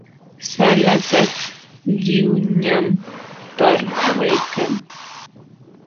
Salakaq lliwñam parwaykan.